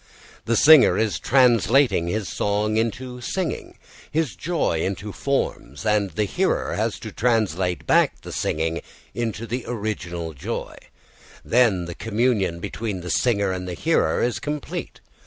The singer is translating his song into singing, his joy into forms, and the hearer has to translate back the singing into the original joy; then the communion between the singer and the hearer is complete.